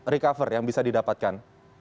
recover yang bisa didapatkan